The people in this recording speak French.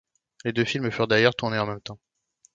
Les deux films furent d'ailleurs tournés en même temps.